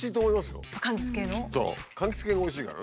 かんきつ系がおいしいからね。